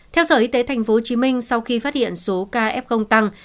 theo sở y tế tp hcm sau khi phát hiện số ca f tăng